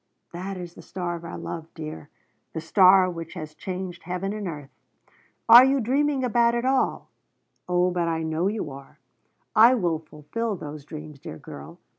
That is the star of our love, dear, the star which has changed heaven and earth. Are you dreaming about it all? Oh but I know you are. I will fulfill those dreams, dear girl.